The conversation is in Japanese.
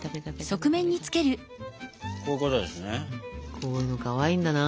こういうのかわいいんだな。